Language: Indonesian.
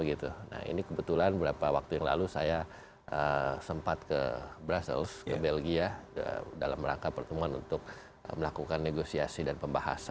nah ini kebetulan beberapa waktu yang lalu saya sempat ke brusself ke belgia dalam rangka pertemuan untuk melakukan negosiasi dan pembahasan